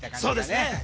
そうですね